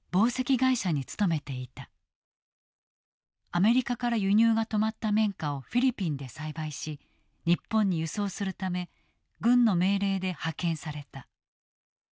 アメリカから輸入が止まった綿花をフィリピンで栽培し日本に輸送するため軍の命令で派遣された。